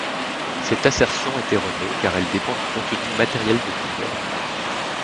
Cette assertion est erronée car elle dépend du contenu matériel de l'univers.